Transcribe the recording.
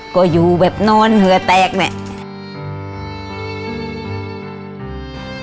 ก็อยู่แบบนอนเหงื่อแตกเนี่ย